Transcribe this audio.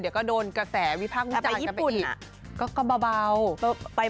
เดี๋ยวก็โดนกระแสวิภาควิจารณ์กันไปอีก